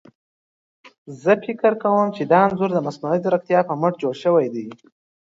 زه فکر کوم چي دا انځور ده مصنوعي ځيرکتيا په مټ جوړ شوي دي.